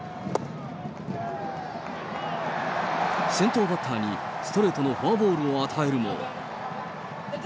先頭バッターにストレートのフォアボールを与えるも。